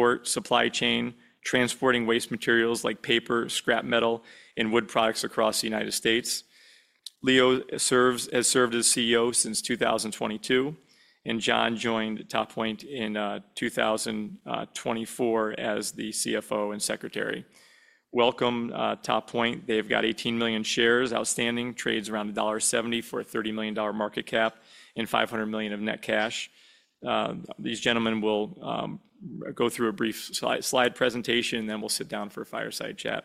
Import supply chain, transporting waste materials like paper, scrap metal, and wood products across the United States. Leo has served as CEO since 2022, and John joined Toppoint in 2024 as the CFO and secretary. Welcome, Toppoint. They've got 18 million shares outstanding, trades around $1.70 for a $30 million market cap, and $500 million of net cash. These gentlemen will go through a brief slide presentation, and then we'll sit down for a fireside chat.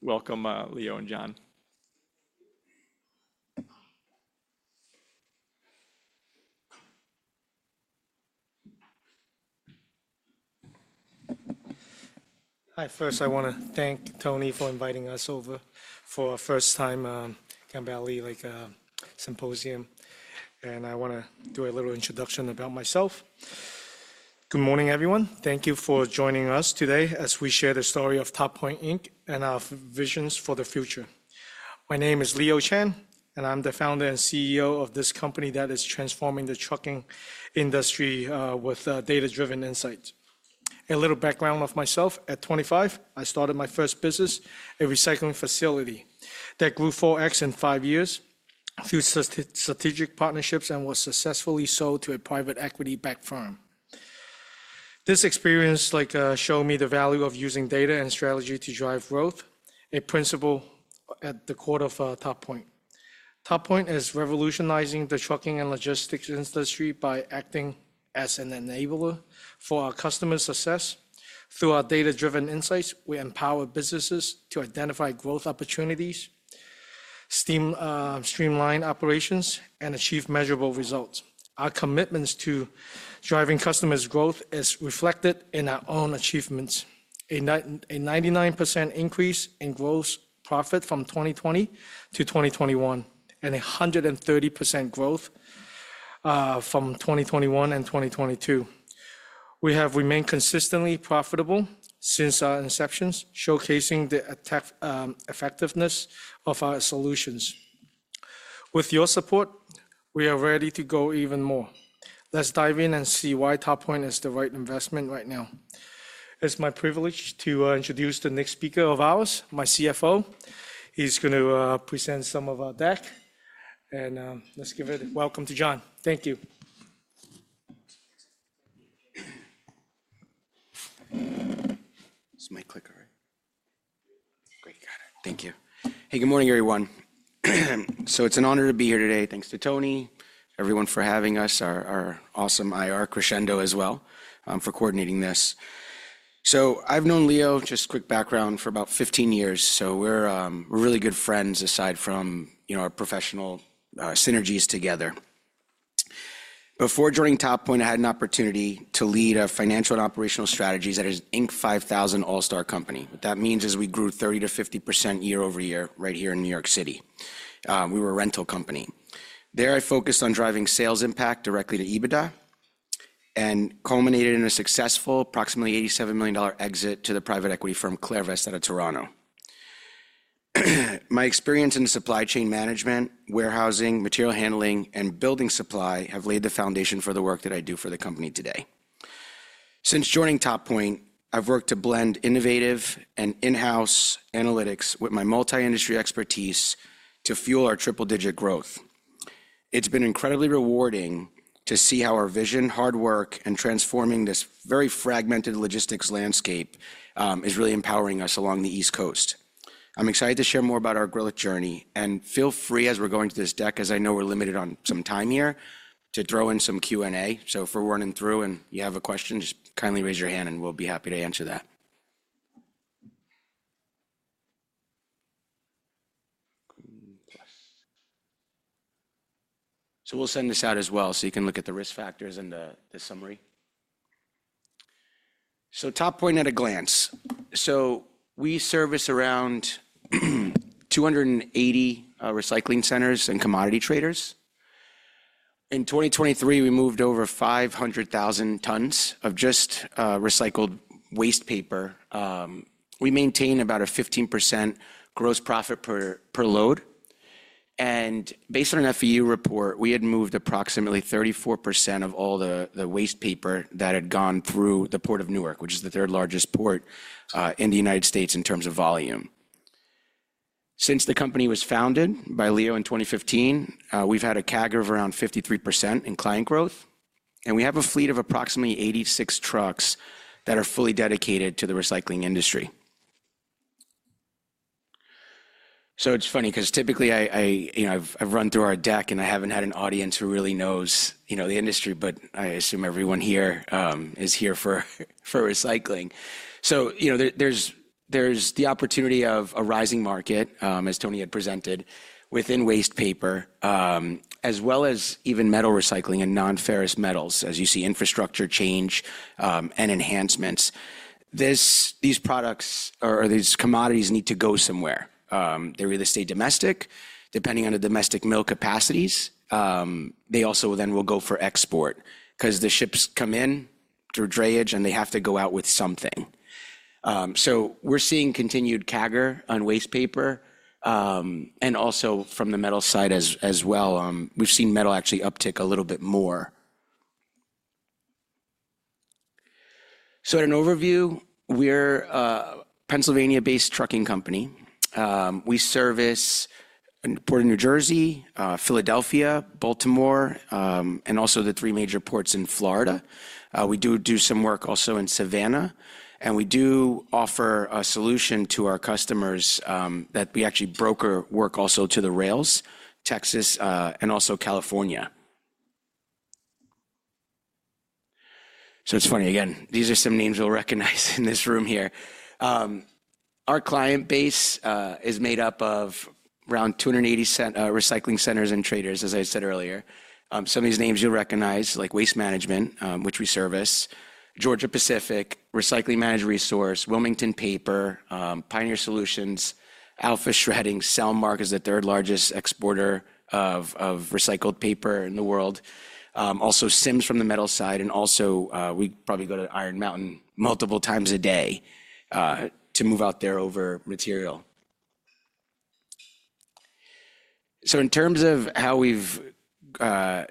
Welcome, Leo and John. Hi. First, I want to thank Tony for inviting us over for a first-time Gabelli Symposium. I want to do a little introduction about myself. Good morning, everyone. Thank you for joining us today as we share the story of Toppoint and our visions for the future. My name is Leo Chan, and I'm the founder and CEO of this company that is transforming the trucking industry with data-driven insights. A little background of myself: at 25, I started my first business, a recycling facility, that grew 4X in five years through strategic partnerships and was successfully sold to a private equity-backed firm. This experience showed me the value of using data and strategy to drive growth, a principle at the core of Toppoint. Toppoint is revolutionizing the trucking and logistics industry by acting as an enabler for our customers' success. Through our data-driven insights, we empower businesses to identify growth opportunities, streamline operations, and achieve measurable results. Our commitments to driving customers' growth are reflected in our own achievements: a 99% increase in gross profit from 2020 to 2021, and a 130% growth from 2021 and 2022. We have remained consistently profitable since our inception, showcasing the effectiveness of our solutions. With your support, we are ready to go even more. Let's dive in and see why Toppoint is the right investment right now. It's my privilege to introduce the next speaker of ours, my CFO. He's going to present some of our deck. Let's give it a welcome to John. Thank you. This is my clicker. You got it. Thank you. Hey, good morning, everyone. It is an honor to be here today. Thanks to Tony, everyone, for having us, our awesome IR, Crescendo, as well, for coordinating this. I have known Leo, just quick background, for about 15 years. We are really good friends, aside from our professional synergies together. Before joining Toppoint, I had an opportunity to lead financial and operational strategies at his Inc. 5000 All-Star company. What that means is we grew 30%-50% year over year right here in New York City. We were a rental company. There, I focused on driving sales impact directly to EBITDA and culminated in a successful, approximately $87 million exit to the private equity firm, Clairvest, out of Toronto. My experience in supply chain management, warehousing, material handling, and building supply have laid the foundation for the work that I do for the company today. Since joining Toppoint, I've worked to blend innovative and in-house analytics with my multi-industry expertise to fuel our triple-digit growth. It's been incredibly rewarding to see how our vision, hard work, and transforming this very fragmented logistics landscape is really empowering us along the East Coast. I'm excited to share more about our growth journey. Feel free, as we're going through this deck, as I know we're limited on some time here, to throw in some Q&A. If we're running through and you have a question, just kindly raise your hand, and we'll be happy to answer that. We'll send this out as well so you can look at the risk factors and the summary. Toppoint at a glance. We service around 280 recycling centers and commodity traders. In 2023, we moved over 500,000 tons of just recycled waste paper. We maintain about a 15% gross profit per load. Based on an FEU report, we had moved approximately 34% of all the waste paper that had gone through the Port of Newark, which is the third-largest port in the United States in terms of volume. Since the company was founded by Leo in 2015, we've had a CAGR of around 53% in client growth. We have a fleet of approximately 86 trucks that are fully dedicated to the recycling industry. It's funny because typically, I've run through our deck, and I haven't had an audience who really knows the industry, but I assume everyone here is here for recycling. There's the opportunity of a rising market, as Tony had presented, within waste paper, as well as even metal recycling and non-ferrous metals, as you see infrastructure change and enhancements. These products or these commodities need to go somewhere. They either stay domestic, depending on the domestic mill capacities. They also then will go for export because the ships come in through drayage, and they have to go out with something. We're seeing continued CAGR on waste paper. Also from the metal side as well, we've seen metal actually uptick a little bit more. In an overview, we're a Pennsylvania-based trucking company. We service Port of New Jersey, Philadelphia, Baltimore, and also the three major ports in Florida. We do do some work also in Savannah. We do offer a solution to our customers that we actually broker work also to the rails, Texas, and also California. It's funny. Again, these are some names you'll recognize in this room here. Our client base is made up of around 280 recycling centers and traders, as I said earlier. Some of these names you'll recognize, like Waste Management, which we service, Georgia-Pacific, Recycling Management Resources, Wilmington Paper, Pioneer Solutions, Alpha Shredding, CellMark is the third-largest exporter of recycled paper in the world. Also Sims from the metal side. Also, we probably go to Iron Mountain multiple times a day to move out their material. In terms of how we've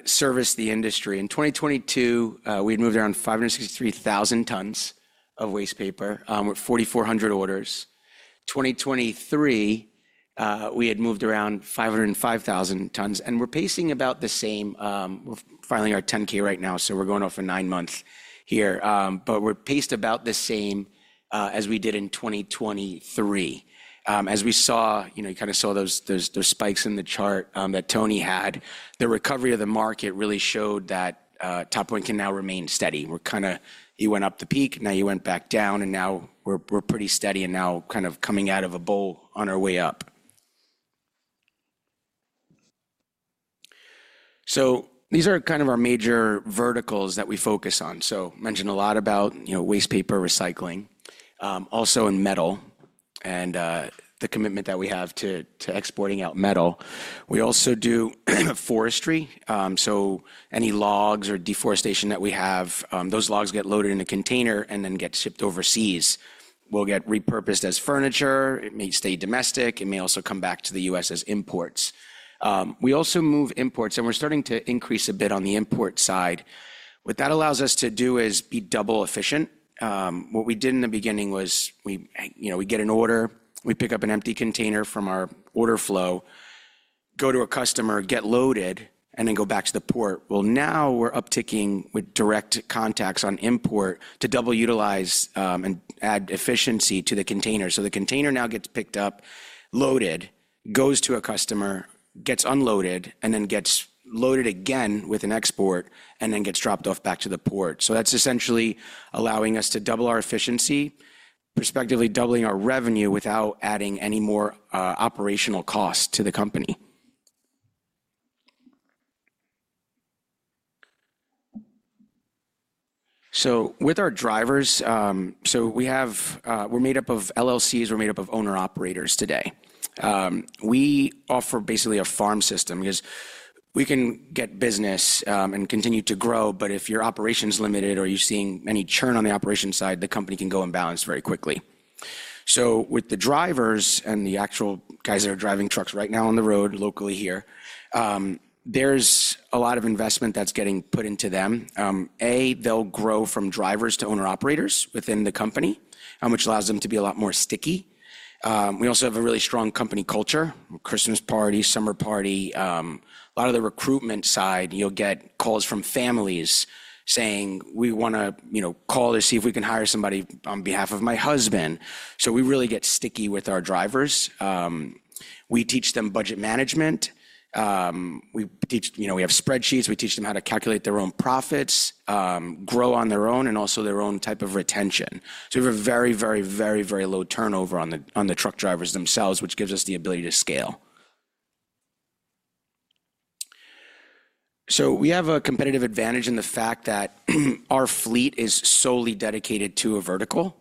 serviced the industry, in 2022, we had moved around 563,000 tons of waste paper with 4,400 orders. In 2023, we had moved around 505,000 tons. We're pacing about the same. We're filing our 10-K right now, so we're going over nine months here. We're paced about the same as we did in 2023. As we saw, you kind of saw those spikes in the chart that Tony had. The recovery of the market really showed that Toppoint can now remain steady. You went up the peak, now you went back down, and now we're pretty steady and now kind of coming out of a bull on our way up. These are kind of our major verticals that we focus on. I mentioned a lot about waste paper recycling, also in metal, and the commitment that we have to exporting out metal. We also do forestry. Any logs or deforestation that we have, those logs get loaded in a container and then get shipped overseas. We'll get repurposed as furniture. It may stay domestic. It may also come back to the U.S. as imports. We also move imports, and we're starting to increase a bit on the import side. What that allows us to do is be double efficient. What we did in the beginning was we get an order, we pick up an empty container from our order flow, go to a customer, get loaded, and then go back to the port. Now we're upticking with direct contacts on import to double utilize and add efficiency to the container. The container now gets picked up, loaded, goes to a customer, gets unloaded, and then gets loaded again with an export, and then gets dropped off back to the port. That's essentially allowing us to double our efficiency, respectively doubling our revenue without adding any more operational cost to the company. With our drivers, we're made up of LLCs. We're made up of owner-operators today. We offer basically a farm system because we can get business and continue to grow. If your operation's limited or you're seeing any churn on the operation side, the company can go unbalanced very quickly. With the drivers and the actual guys that are driving trucks right now on the road locally here, there's a lot of investment that's getting put into them. A, they'll grow from drivers to owner-operators within the company, which allows them to be a lot more sticky. We also have a really strong company culture, Christmas party, summer party. A lot of the recruitment side, you'll get calls from families saying, "We want to call to see if we can hire somebody on behalf of my husband." We really get sticky with our drivers. We teach them budget management. We have spreadsheets. We teach them how to calculate their own profits, grow on their own, and also their own type of retention. We have a very, very, very, very low turnover on the truck drivers themselves, which gives us the ability to scale. We have a competitive advantage in the fact that our fleet is solely dedicated to a vertical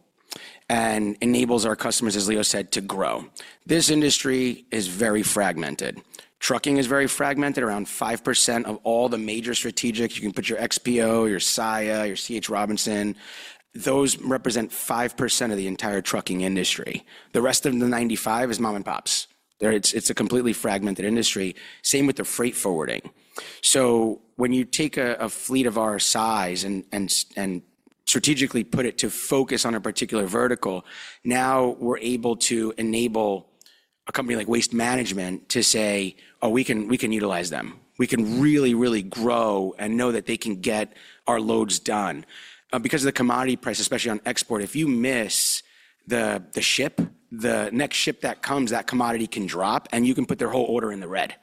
and enables our customers, as Leo said, to grow. This industry is very fragmented. Trucking is very fragmented. Around 5% of all the major strategics, you can put your XPO, your Saia, your C.H. Robinson, those represent 5% of the entire trucking industry. The rest of the 95% is mom-and-pops. It is a completely fragmented industry. Same with the freight forwarding. When you take a fleet of our size and strategically put it to focus on a particular vertical, now we're able to enable a company like Waste Management to say, "Oh, we can utilize them. We can really, really grow and know that they can get our loads done." Because of the commodity price, especially on export, if you miss the ship, the next ship that comes, that commodity can drop, and you can put their whole order in the red.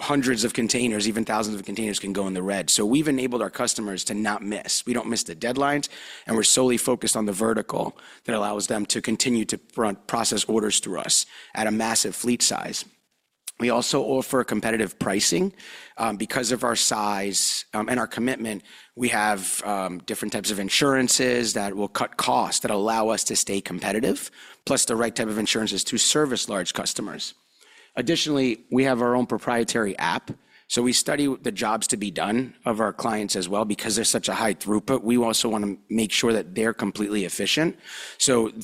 Hundreds of containers, even thousands of containers can go in the red. We have enabled our customers to not miss. We do not miss the deadlines, and we're solely focused on the vertical that allows them to continue to process orders through us at a massive fleet size. We also offer competitive pricing. Because of our size and our commitment, we have different types of insurances that will cut costs that allow us to stay competitive, plus the right type of insurances to service large customers. Additionally, we have our own proprietary app. We study the jobs to be done of our clients as well. Because there's such a high throughput, we also want to make sure that they're completely efficient.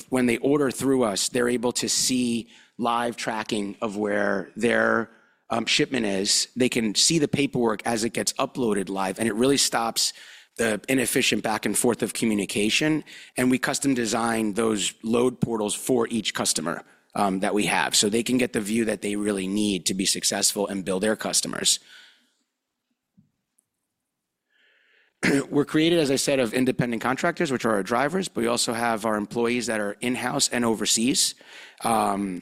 When they order through us, they're able to see live tracking of where their shipment is. They can see the paperwork as it gets uploaded live, and it really stops the inefficient back and forth of communication. We custom design those load portals for each customer that we have so they can get the view that they really need to be successful and build their customers. We're created, as I said, of independent contractors, which are our drivers, but we also have our employees that are in-house and overseas. The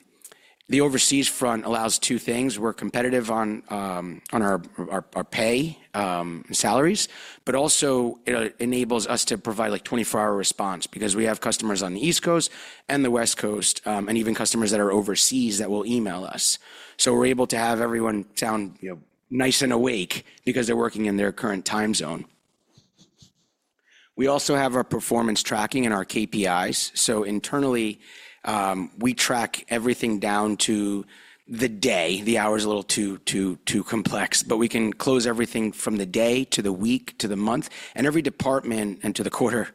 overseas front allows two things. We're competitive on our pay and salaries, but also it enables us to provide like 24-hour response because we have customers on the East Coast and the West Coast, and even customers that are overseas that will email us. We're able to have everyone sound nice and awake because they're working in their current time zone. We also have our performance tracking and our KPIs. Internally, we track everything down to the day. The hour is a little too complex, but we can close everything from the day to the week to the month. Every department and to the quarter,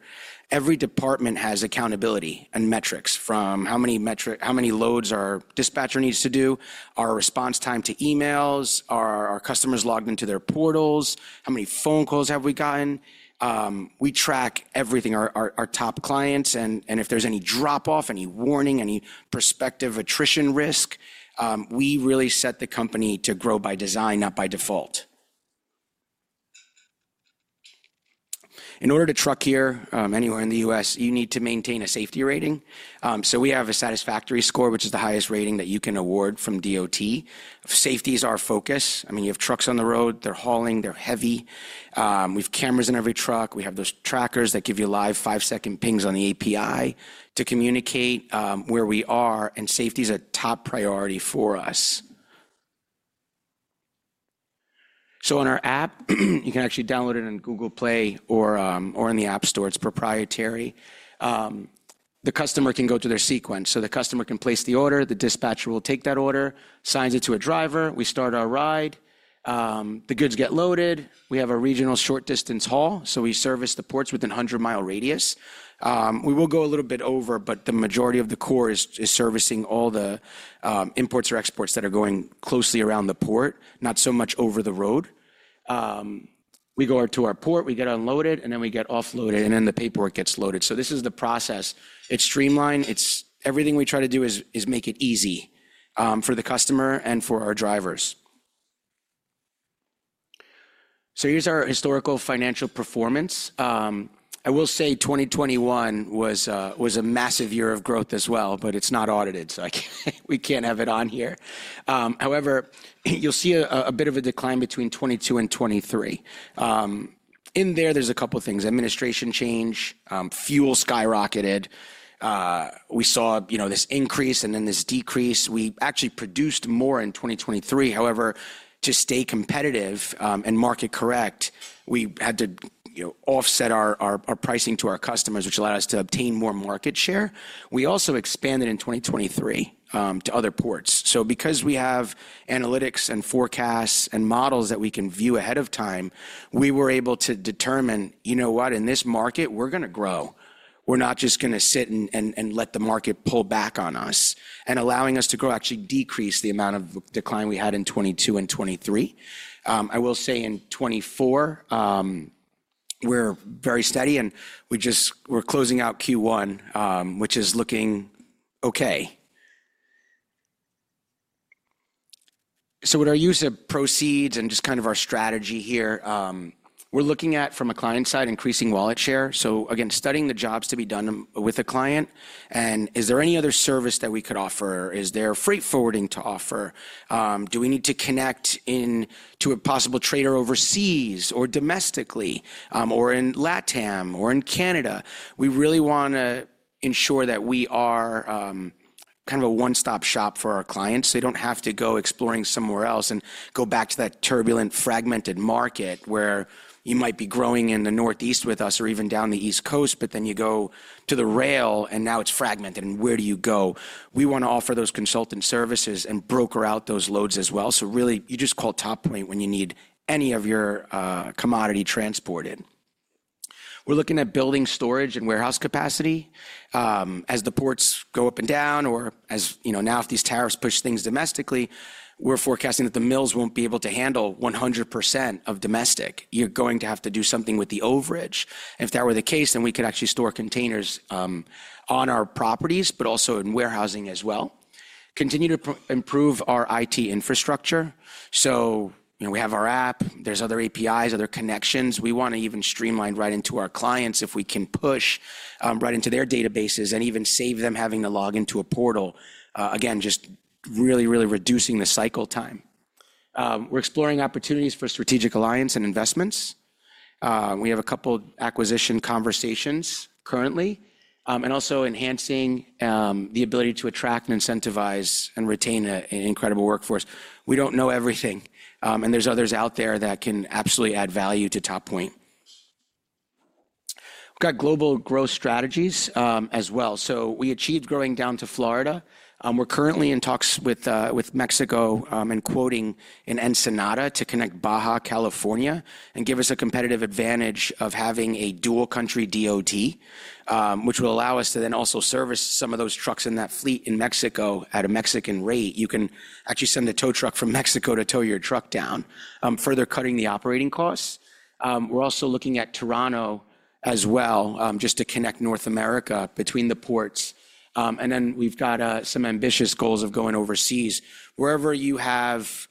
every department has accountability and metrics from how many loads our dispatcher needs to do, our response time to emails, are our customers logged into their portals, how many phone calls have we gotten. We track everything. Our top clients, and if there's any drop-off, any warning, any prospective attrition risk, we really set the company to grow by design, not by default. In order to truck here anywhere in the U.S., you need to maintain a safety rating. We have a satisfactory score, which is the highest rating that you can award from DOT. Safety is our focus. I mean, you have trucks on the road. They're hauling. They're heavy. We have cameras in every truck. We have those trackers that give you live five-second pings on the API to communicate where we are. Safety is a top priority for us. On our app, you can actually download it on Google Play or in the App Store. It's proprietary. The customer can go through their sequence. The customer can place the order. The dispatcher will take that order, assign it to a driver. We start our ride. The goods get loaded. We have a regional short-distance haul. We service the ports within a 100 mi radius. We will go a little bit over, but the majority of the core is servicing all the imports or exports that are going closely around the port, not so much over the road. We go to our port. We get unloaded, and then we get offloaded, and then the paperwork gets loaded. This is the process. It's streamlined. Everything we try to do is make it easy for the customer and for our drivers. Here's our historical financial performance. I will say 2021 was a massive year of growth as well, but it's not audited, so we can't have it on here. However, you'll see a bit of a decline between 2022 and 2023. In there, there's a couple of things. Administration change. Fuel skyrocketed. We saw this increase and then this decrease. We actually produced more in 2023. However, to stay competitive and market-correct, we had to offset our pricing to our customers, which allowed us to obtain more market share. We also expanded in 2023 to other ports. Because we have analytics and forecasts and models that we can view ahead of time, we were able to determine, "You know what? In this market, we're going to grow. We're not just going to sit and let the market pull back on us. Allowing us to grow actually decreased the amount of decline we had in 2022 and 2023. I will say in 2024, we're very steady, and we're closing out Q1, which is looking okay. With our use of proceeds and just kind of our strategy here, we're looking at, from a client side, increasing wallet share. Again, studying the jobs to be done with a client. Is there any other service that we could offer? Is there freight forwarding to offer? Do we need to connect into a possible trader overseas or domestically or in LATAM or in Canada? We really want to ensure that we are kind of a one-stop shop for our clients. They don't have to go exploring somewhere else and go back to that turbulent, fragmented market where you might be growing in the Northeast with us or even down the East Coast, but then you go to the rail and now it's fragmented. Where do you go? We want to offer those consultant services and broker out those loads as well. Really, you just call Toppoint when you need any of your commodity transported. We're looking at building storage and warehouse capacity. As the ports go up and down or as now, if these tariffs push things domestically, we're forecasting that the mills won't be able to handle 100% of domestic. You're going to have to do something with the overage. If that were the case, then we could actually store containers on our properties, but also in warehousing as well. Continue to improve our IT infrastructure. We have our app. There's other APIs, other connections. We want to even streamline right into our clients if we can push right into their databases and even save them having to log into a portal. Again, just really, really reducing the cycle time. We're exploring opportunities for strategic alliance and investments. We have a couple of acquisition conversations currently and also enhancing the ability to attract and incentivize and retain an incredible workforce. We don't know everything, and there's others out there that can absolutely add value to Toppoint. We've got global growth strategies as well. We achieved growing down to Florida. We're currently in talks with Mexico and quoting in Ensenada to connect Baja California, and give us a competitive advantage of having a dual-country DOT, which will allow us to then also service some of those trucks in that fleet in Mexico at a Mexican rate. You can actually send the tow truck from Mexico to tow your truck down, further cutting the operating costs. We're also looking at Toronto as well just to connect North America between the ports. We have some ambitious goals of going overseas. Wherever you have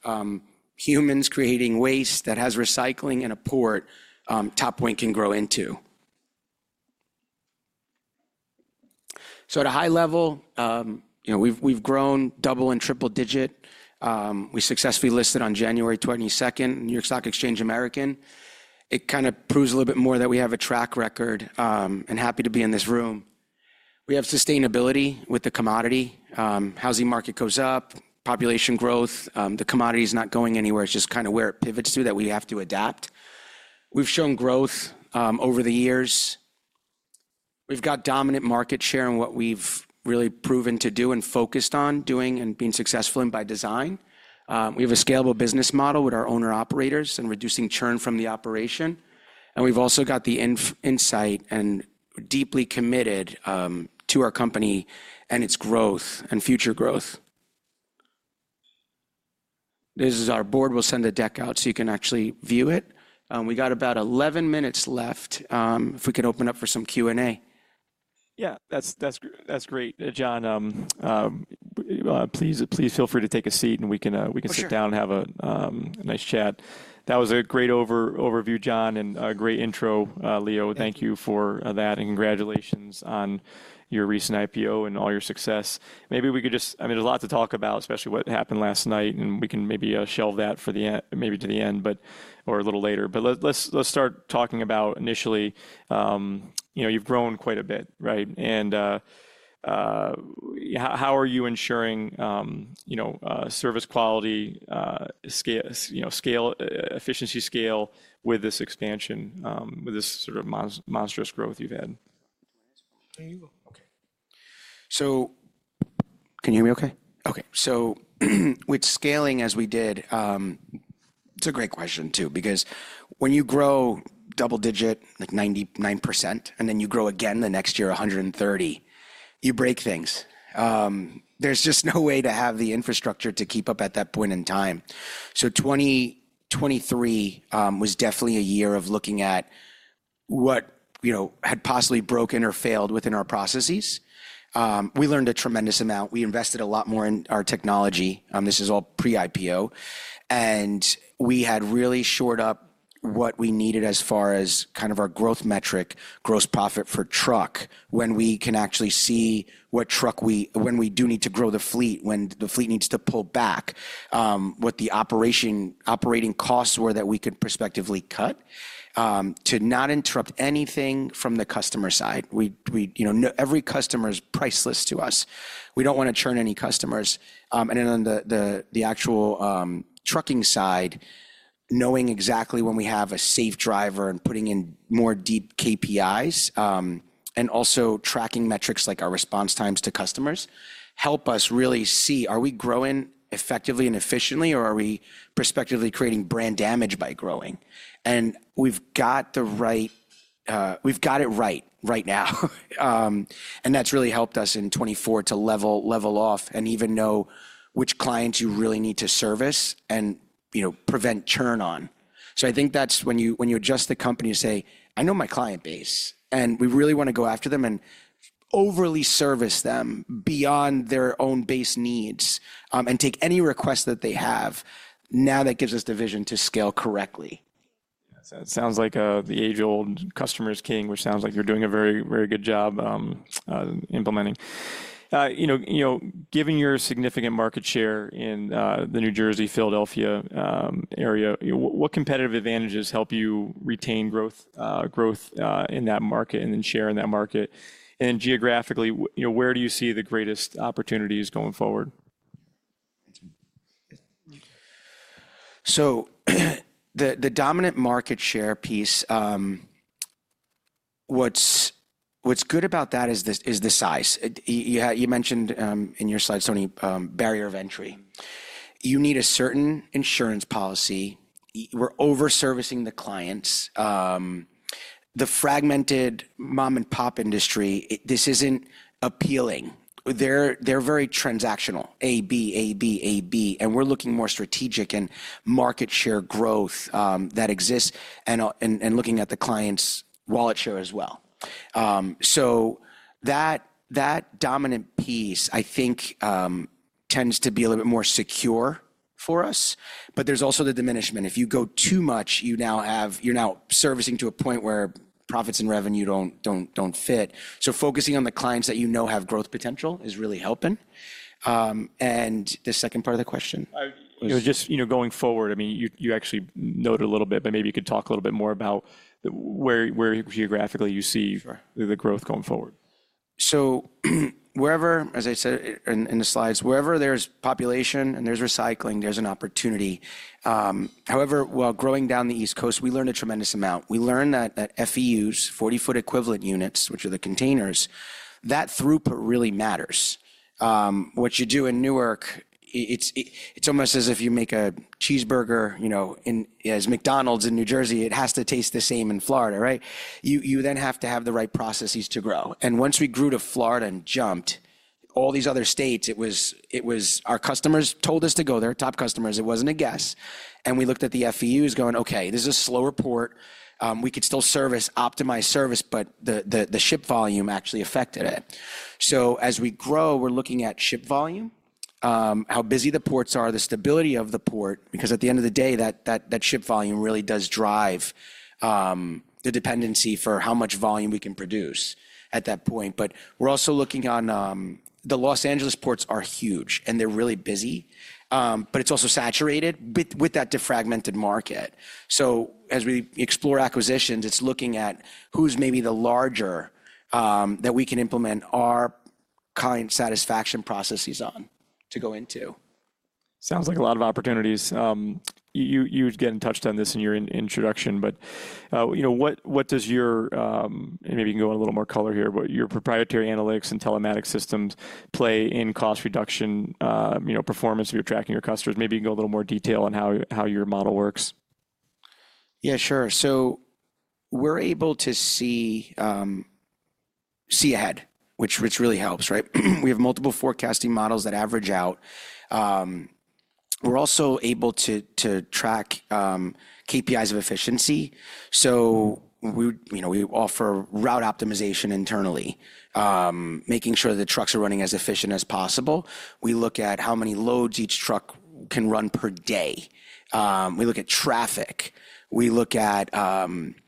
humans creating waste that has recycling in a port, Toppoint can grow into. At a high level, we've grown double and triple-digit. We successfully listed on January 22, 2024, in New York Stock Exchange American. It kind of proves a little bit more that we have a track record and happy to be in this room. We have sustainability with the commodity. Housing market goes up, population growth. The commodity is not going anywhere. It's just kind of where it pivots to that we have to adapt. We've shown growth over the years. We've got dominant market share in what we've really proven to do and focused on doing and being successful in by design. We have a scalable business model with our owner-operators and reducing churn from the operation. And we've also got the insight and deeply committed to our company and its growth and future growth. This is our board. We'll send the deck out so you can actually view it. We got about 11 minutes left if we could open up for some Q&A. Yeah, that's great, John. Please feel free to take a seat, and we can sit down and have a nice chat. That was a great overview, John, and a great intro, Leo. Thank you for that, and congratulations on your recent IPO and all your success. Maybe we could just, I mean, there is a lot to talk about, especially what happened last night, and we can maybe shelve that maybe to the end or a little later. Let's start talking about initially. You have grown quite a bit, right? How are you ensuring service quality, efficiency, scale with this expansion, with this sort of monstrous growth you have had? Okay. Can you hear me okay? Okay. With scaling, as we did, it is a great question too, because when you grow double-digit, like 99%, and then you grow again the next year, 130, you break things. There is just no way to have the infrastructure to keep up at that point in time. 2023 was definitely a year of looking at what had possibly broken or failed within our processes. We learned a tremendous amount. We invested a lot more in our technology. This is all pre-IPO. We had really shored up what we needed as far as kind of our growth metric, gross profit for truck, when we can actually see when we do need to grow the fleet, when the fleet needs to pull back, what the operating costs were that we could prospectively cut to not interrupt anything from the customer side. Every customer is priceless to us. We do not want to churn any customers. On the actual trucking side, knowing exactly when we have a safe driver and putting in more deep KPIs and also tracking metrics like our response times to customers help us really see, are we growing effectively and efficiently, or are we prospectively creating brand damage by growing? We have it right right now. That has really helped us in 2024 to level off and even know which clients you really need to service and prevent churn on. I think that is when you adjust the company to say, "I know my client base, and we really want to go after them and overly service them beyond their own base needs and take any requests that they have." That gives us the vision to scale correctly. It sounds like the age-old customer's king, which sounds like you are doing a very, very good job implementing. Given your significant market share in the New Jersey, Philadelphia area, what competitive advantages help you retain growth in that market and then share in that market? Geographically, where do you see the greatest opportunities going forward? The dominant market share piece, what's good about that is the size. You mentioned in your slides, Tony, barrier of entry. You need a certain insurance policy. We're overservicing the clients. The fragmented mom-and-pop industry, this isn't appealing. They're very transactional, A, B, A, B, A, B. We're looking more strategic and market share growth that exists and looking at the client's wallet share as well. That dominant piece, I think, tends to be a little bit more secure for us. There's also the diminishment. If you go too much, you're now servicing to a point where profits and revenue don't fit. Focusing on the clients that you know have growth potential is really helping. The second part of the question? Just going forward, I mean, you actually noted a little bit, but maybe you could talk a little bit more about where geographically you see the growth going forward. Wherever, as I said in the slides, wherever there's population and there's recycling, there's an opportunity. However, while growing down the East Coast, we learned a tremendous amount. We learned that FEUs, 40-foot equivalent units, which are the containers, that throughput really matters. What you do in Newark, it's almost as if you make a cheeseburger as McDonald's in New Jersey, it has to taste the same in Florida, right? You then have to have the right processes to grow. Once we grew to Florida and jumped all these other states, it was our customers told us to go there, top customers. It wasn't a guess. We looked at the FEUs going, "Okay, this is a slower port. We could still service, optimize service, but the ship volume actually affected it." As we grow, we're looking at ship volume, how busy the ports are, the stability of the port, because at the end of the day, that ship volume really does drive the dependency for how much volume we can produce at that point. We're also looking on the Los Angeles ports are huge, and they're really busy, but it's also saturated with that fragmented market. As we explore acquisitions, it's looking at who's maybe the larger that we can implement our kind of satisfaction processes on to go into. Sounds like a lot of opportunities. You, again, touched on this in your introduction, but what does your, and maybe you can go in a little more color here, but your proprietary analytics and telematics systems play in cost reduction performance of your tracking your customers? Maybe you can go a little more detail on how your model works. Yeah, sure. We're able to see ahead, which really helps, right? We have multiple forecasting models that average out. We're also able to track KPIs of efficiency. We offer route optimization internally, making sure that trucks are running as efficient as possible. We look at how many loads each truck can run per day. We look at traffic. We look at what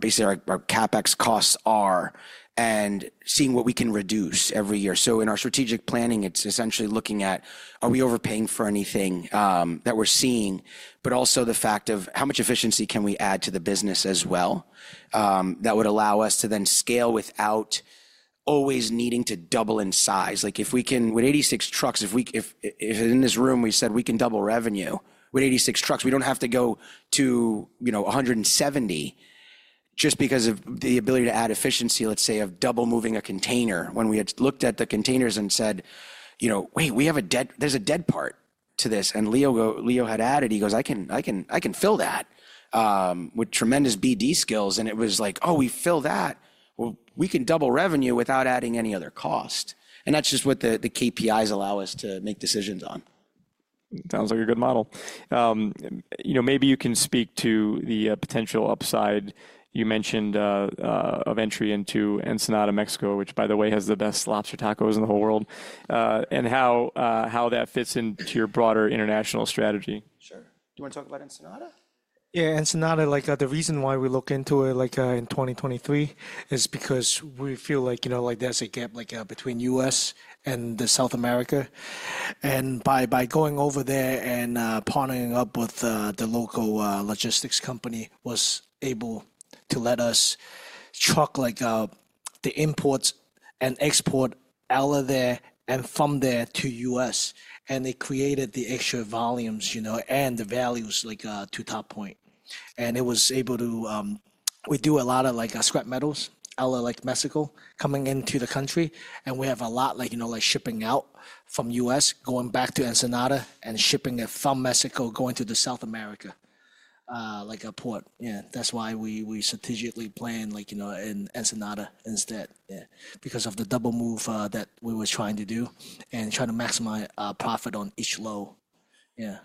basically our CapEx costs are and seeing what we can reduce every year. In our strategic planning, it's essentially looking at, are we overpaying for anything that we're seeing, but also the fact of how much efficiency can we add to the business as well that would allow us to then scale without always needing to double in size. Like if we can, with 86 trucks, if in this room we said we can double revenue with 86 trucks, we don't have to go to 170 just because of the ability to add efficiency, let's say, of double moving a container when we had looked at the containers and said, "Wait, we have a dead part to this." Leo had added, he goes, "I can fill that with tremendous BD skills." It was like, "Oh, we fill that. We can double revenue without adding any other cost." That's just what the KPIs allow us to make decisions on. Sounds like a good model. Maybe you can speak to the potential upside you mentioned of entry into Ensenada, Mexico, which, by the way, has the best lobster tacos in the whole world, and how that fits into your broader international strategy. Sure. Do you want to talk about Ensenada? Yeah, Ensenada, the reason why we look into it in 2023 is because we feel like there's a gap between the U.S. and South America. By going over there and partnering up with the local logistics company, it was able to let us chuck the import and export out of there and from there to the U.S. It created the extra volumes and the values to Toppoint. It was able to, we do a lot of scrap metals out of Mexico coming into the country. We have a lot shipping out from the U.S., going back to Ensenada and shipping it from Mexico, going to the South America port. Yeah, that's why we strategically planned in Ensenada instead, yeah, because of the double move that we were trying to do and trying to maximize profit on each load. Yeah.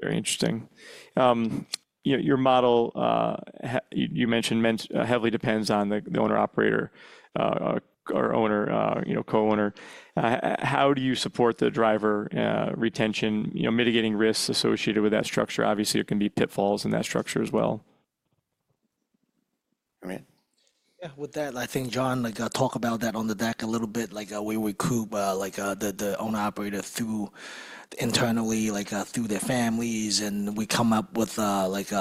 Very interesting. Your model, you mentioned, heavily depends on the owner-operator or co-owner. How do you support the driver retention, mitigating risks associated with that structure? Obviously, there can be pitfalls in that structure as well. Yeah, with that, I think, John talked about that on the deck a little bit. We recruit the owner-operator internally through their families, and we come up with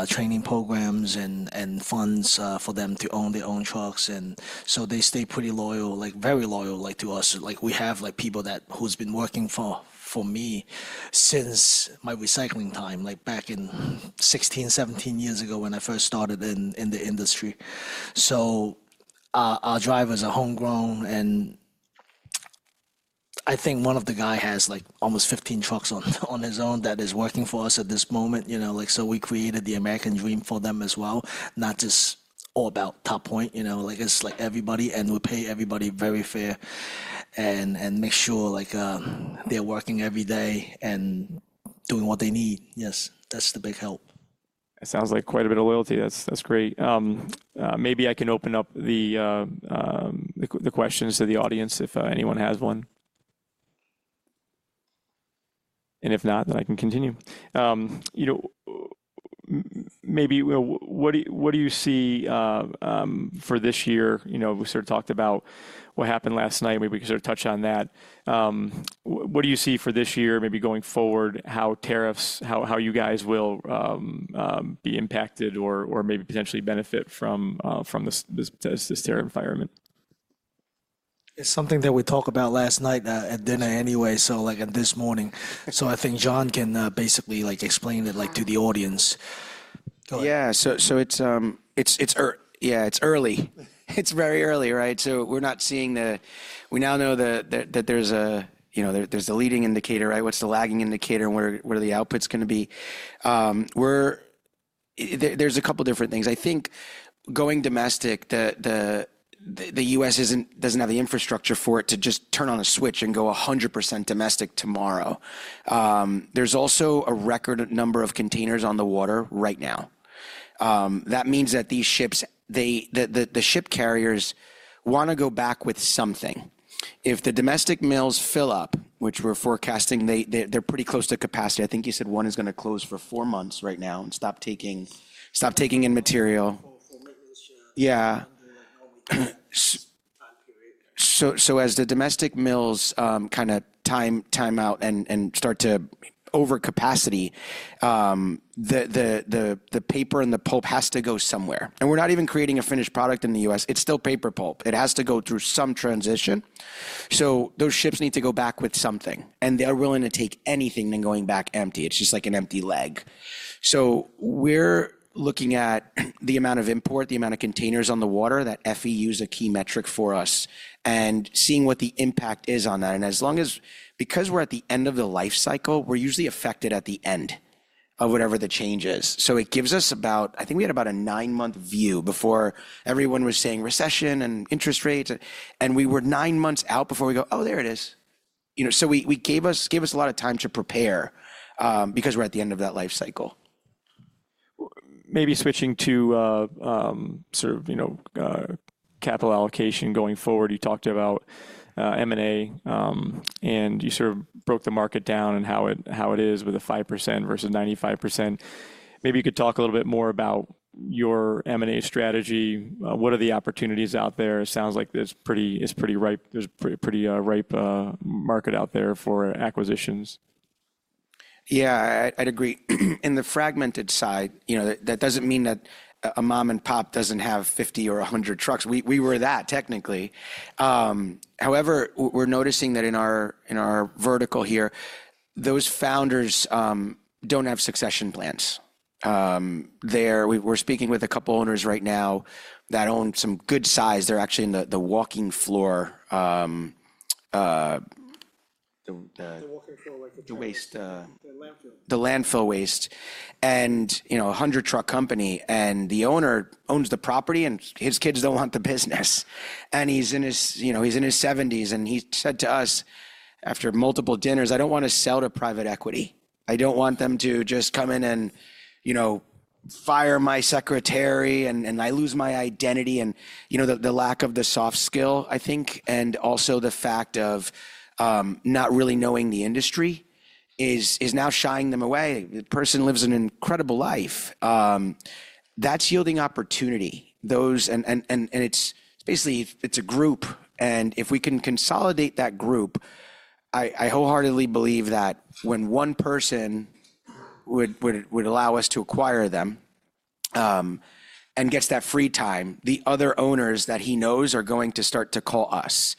training programs and funds for them to own their own trucks. And so they stay pretty loyal, very loyal to us. We have people who have been working for me since my recycling time, back in 2016, 2017 years ago when I first started in the industry. Our driver is homegrown. I think one of the guys has almost 15 trucks on his own that is working for us at this moment. We created the American dream for them as well, not just all about Toppoint. It's like everybody, and we pay everybody very fair and make sure they're working every day and doing what they need. Yes, that's the big help. It sounds like quite a bit of loyalty. That's great. Maybe I can open up the questions to the audience if anyone has one. If not, then I can continue. Maybe what do you see for this year? We sort of talked about what happened last night. Maybe we can sort of touch on that. What do you see for this year, maybe going forward, how tariffs, how you guys will be impacted or maybe potentially benefit from this tariff environment? It's something that we talked about last night at dinner anyway, so this morning. I think John can basically explain it to the audience. Yeah, it's early. It's very early, right? We're not seeing the, we now know that there's a leading indicator, right? What's the lagging indicator and where the output's going to be? There's a couple of different things. I think going domestic, the U.S. doesn't have the infrastructure for it to just turn on a switch and go 100% domestic tomorrow. There's also a record number of containers on the water right now. That means that these ships, the ship carriers want to go back with something. If the domestic mills fill up, which we're forecasting, they're pretty close to capacity. I think you said one is going to close for four months right now and stop taking in material. Yeah. As the domestic mills kind of time out and start to overcapacity, the paper and the pulp has to go somewhere. We're not even creating a finished product in the U.S. It's still paper pulp. It has to go through some transition. Those ships need to go back with something. They're willing to take anything than going back empty. It's just like an empty leg. We're looking at the amount of import, the amount of containers on the water, that FEU is a key metric for us, and seeing what the impact is on that. Because we're at the end of the life cycle, we're usually affected at the end of whatever the change is. It gives us about, I think we had about a nine-month view before everyone was saying recession and interest rates. We were nine months out before we go, "Oh, there it is." It gave us a lot of time to prepare because we're at the end of that life cycle. Maybe switching to sort of capital allocation going forward, you talked about M&A, and you sort of broke the market down and how it is with the 5% versus 95%. Maybe you could talk a little bit more about your M&A strategy. What are the opportunities out there? It sounds like it's pretty ripe. There's a pretty ripe market out there for acquisitions. Yeah, I'd agree. In the fragmented side, that doesn't mean that a mom-and-pop doesn't have 50 or 100 trucks. We were that technically. However, we're noticing that in our vertical here, those founders don't have succession plans. We're speaking with a couple of owners right now that own some good size. They're actually in the walking floor to waste the landfill waste. A 100-truck company, and the owner owns the property, and his kids don't want the business. He's in his 70s. He said to us after multiple dinners, "I don't want to sell to private equity. I don't want them to just come in and fire my secretary, and I lose my identity." The lack of the soft skill, I think, and also the fact of not really knowing the industry is now shying them away. The person lives an incredible life. That's yielding opportunity. Basically, it's a group. If we can consolidate that group, I wholeheartedly believe that when one person would allow us to acquire them and gets that free time, the other owners that he knows are going to start to call us.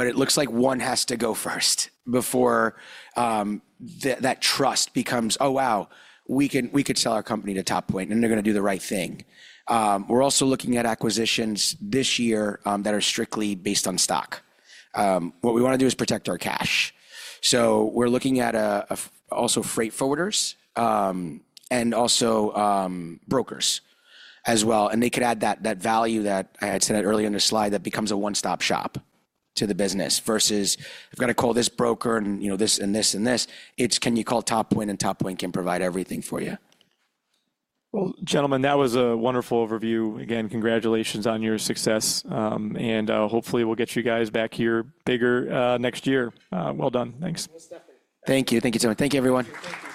It looks like one has to go first before that trust becomes, "Oh, wow, we could sell our company to Toppoint, and they're going to do the right thing." We're also looking at acquisitions this year that are strictly based on stock. What we want to do is protect our cash. We're looking at also freight forwarders and also brokers as well. They could add that value that I had said earlier in the slide that becomes a one-stop shop to the business versus, "I've got to call this broker and this and this and this." It's, "Can you call Toppoint? Toppoint can provide everything for you. Gentlemen, that was a wonderful overview. Again, congratulations on your success. Hopefully, we'll get you guys back here bigger next year. Well done. Thanks. Thank you. Thank you, Tony. Thank you, everyone. Thank you. Thank you. Thank you, Jerry. Thank you. Hey, next slide. Appreciate you.